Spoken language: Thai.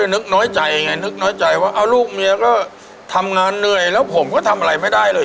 เลยนึกน้อยใจเป็นไงนึกน้อยใจว่าลูกแม่ก็ทำงานเหนื่อย